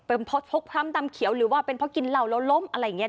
เป็นเพราะพกพร้ำดำเขียวหรือว่าเป็นเพราะกินเหล้าแล้วล้มอะไรอย่างนี้